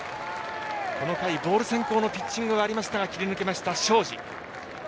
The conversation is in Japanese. この回ボール先行のピッチングがありましたが切り抜けました、庄司。